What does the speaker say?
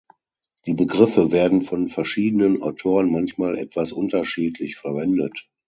Die Begriffe werden von verschiedenen Autoren manchmal etwas unterschiedlich verwendet.